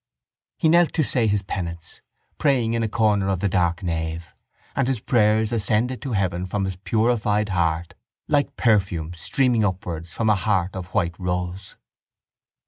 He knelt to say his penance, praying in a corner of the dark nave; and his prayers ascended to heaven from his purified heart like perfume streaming upwards from a heart of white rose.